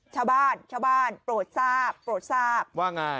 ชาวบ้านชาวบ้านโปรดทราบโปรดทราบว่าไง